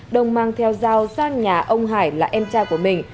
đông mang theo dao sang nhà ông hải là em trai của mình